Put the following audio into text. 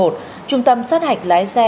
trung tâm sát hạch lái xe